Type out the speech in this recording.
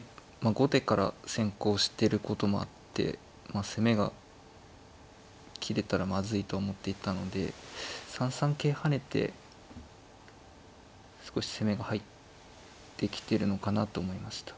後手から先攻してることもあって攻めが切れたらまずいと思っていたので３三桂跳ねて少し攻めが入ってきてるのかなと思いました。